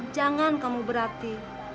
jangan kamu berhati